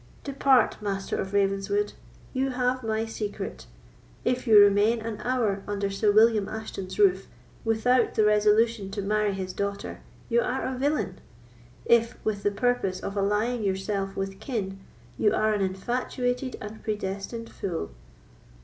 Depart, Master of Ravenswood; you have my secret. If you remain an hour under Sir William Ashton's roof without the resolution to marry his daughter, you are a villain; if with the purpose of allying yourself with kin, you are an infatuated and predestined fool."